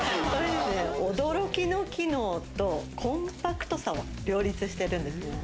驚きの機能とコンパクトさを両立しているんです。